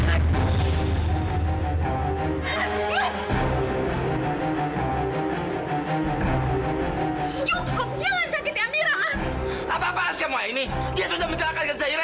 cukup jangan sakit ya mirah apa apaan kamu ini dia sudah menjaga zairah